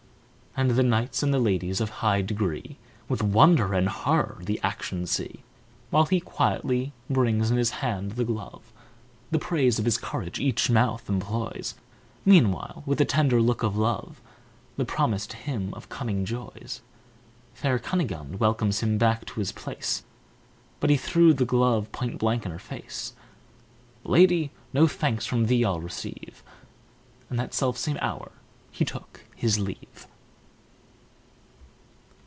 And the knights and ladies of high degree With wonder and horror the action see, While he quietly brings in his hand the glove, The praise of his courage each mouth employs; Meanwhile, with a tender look of love, The promise to him of coming joys, Fair Cunigund welcomes him back to his place. But he threw the glove point blank in her face: "Lady, no thanks from thee I'll receive!" And that selfsame hour he took his leave.